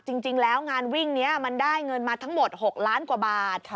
จริงแล้วงานวิ่งนี้มันได้เงินมาทั้งหมด๖ล้านกว่าบาท